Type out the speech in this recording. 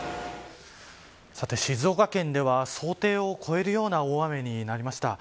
さて、静岡県では想定を越えるような大雨になりました。